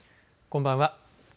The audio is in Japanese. こんばんは。